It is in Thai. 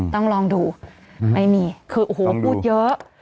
ต้องลองดูไม่มีคือโอ้โหพูดเยอะ